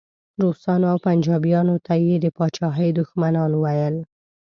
روسانو او پنجابیانو ته یې د پاچاهۍ دښمنان ویل.